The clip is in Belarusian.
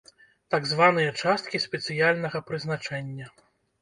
Так званыя часткі спецыяльнага прызначэння.